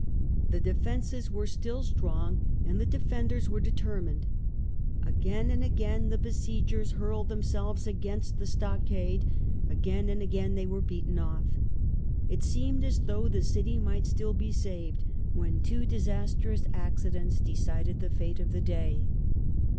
The defences were still strong and the defenders were determined. Again and again the besiegers hurled themselves against the stockade, again and again they were beaten off. It seemed as though the city might still be saved, when two disastrous accidents decided the fate of the day.